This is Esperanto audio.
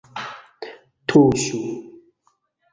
Tuŝu!